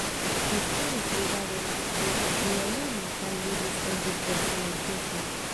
Ŝi studis ludadon de violono kaj ludis en diversaj orkestroj.